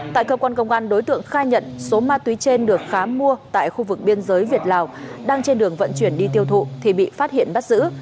tại cơ quan công an đối tượng khai nhận số ma túy trên được khám mua tại khu vực biên giới việt lào đang trên đường vận chuyển đi tiêu thụ thì bị phát hiện bắt giữ